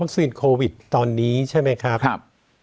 โควิดตอนนี้ใช่ไหมครับ